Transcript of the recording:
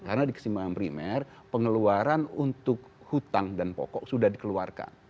karena di keseimbangan primer pengeluaran untuk hutang dan pokok sudah dikeluarkan